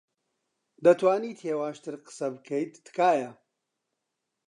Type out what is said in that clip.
دەتوانیت هێواشتر قسە بکەیت، تکایە؟